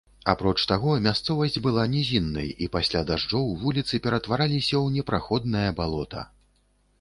Апроч таго, мясцовасць была нізіннай, і пасля дажджоў вуліцы ператвараліся ў непраходнае балота.